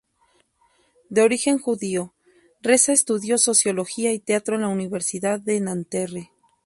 De origen judío, Reza estudió Sociología y Teatro en la Universidad de Nanterre.